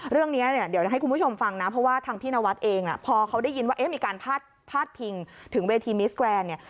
เรื่องนี้เนี่ยเดี๋ยวให้คุณผู้ชมฟังนะเพราะว่าทางพี่นวัดเองพอเขาได้ยินว่ามีการพาดพิงถึงเวทีมิสแกรนด์เนี่ย